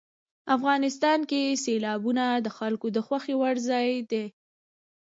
افغانستان کې سیلابونه د خلکو د خوښې وړ ځای دی.